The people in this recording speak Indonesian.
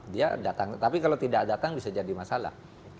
dia datang tapi kalau tidak datang bisa jadi masalah